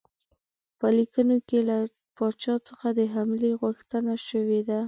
په لیکونو کې له پاچا څخه د حملې غوښتنه شوې وه.